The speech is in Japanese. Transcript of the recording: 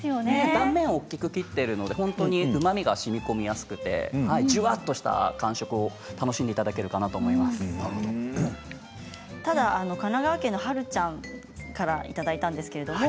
断面を大きく切っているのでうまみがしみこみやすくてじゅわっという感触を、楽しんでいただけるかと神奈川県の方からいただいたメールです。